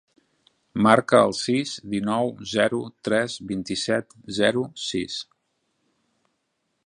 Marca el sis, dinou, zero, tres, vint-i-set, zero, sis.